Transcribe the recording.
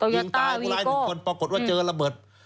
ยิ่งตาย๑คนปรากฏว่าเจอระเบิด